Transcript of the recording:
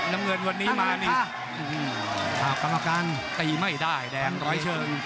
น้ำเงินวันนี้มานี่ตีไม่ได้แดงร้อยเชิง